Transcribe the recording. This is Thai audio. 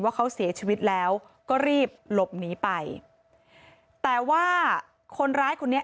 ว่าเขาเสียชีวิตแล้วก็รีบหลบหนีไปแต่ว่าคนร้ายคนนี้